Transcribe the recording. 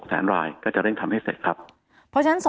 อันนี้ก็